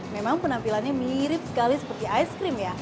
memang penampilannya mirip sekali seperti es krim ya